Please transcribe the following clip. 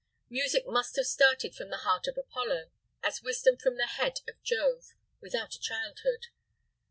Music must have started from the heart of Apollo, as wisdom from the head of Jove, without a childhood.